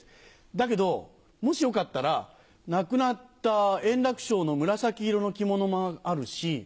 だけどもしよかったら亡くなった円楽師匠の紫色の着物もあるし。